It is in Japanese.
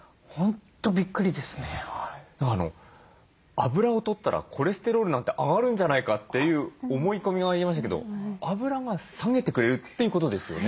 あぶらをとったらコレステロールなんて上がるんじゃないかという思い込みがありましたけどあぶらが下げてくれるということですよね？